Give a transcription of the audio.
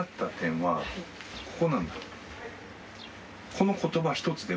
この言葉一つでも。